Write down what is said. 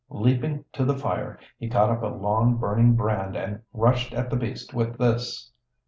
Leaping to the fire, he caught up a long, burning brand and rushed at the beast with this.